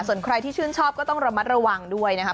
ส่วนใครที่ชื่นชอบก็ต้องระมัดระวังด้วยนะครับ